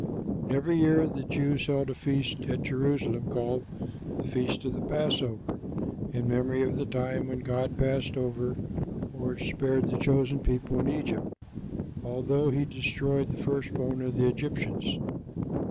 Every year the Jews held a feast at Jerusalem called the Feast of the Passover, in memory of the time when God passed over, or spared, His chosen people in Egypt, although He destroyed the first born of the Egyptians.